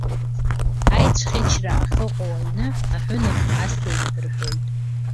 Аицәӷьычра ахьыҟоу аҩны, аҳәынаԥ асуеит рҳәоит.